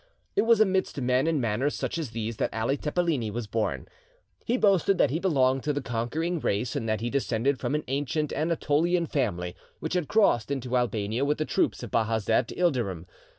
It was amidst men and manners such as these that Ali Tepeleni was born. He boasted that he belonged to the conquering race, and that he descended from an ancient Anatolian family which had crossed into Albania with the troops of Bajazet Ilderim.